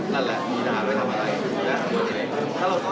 และประมาทก็ได้ไปตามพระมุทิศธรรมราช